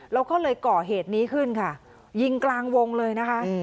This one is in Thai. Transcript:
เราก็เลยเกาะเหตุนี้ขึ้นค่ะยิงกลางวงเลยนะคะอืม